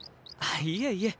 いえいえ。